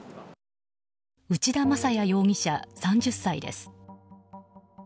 内田正也容疑者、３０歳です。